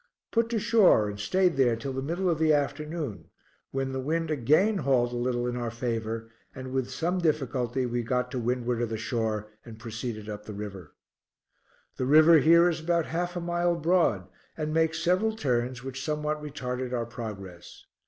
Put to shore and staid there till the middle of the afternoon, when the wind again hauled a little in our favor, and with some difficulty we got to windward of the shore and proceeded up the river. The river here is about half a mile broad, and makes several turns which somewhat retarded our progress.